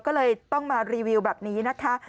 ก็เลยต้องมารีวิวแบบนี้นะคะ